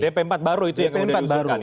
dp empat baru itu yang kemudian diusulkan ya